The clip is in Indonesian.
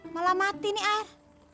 malah mati nih air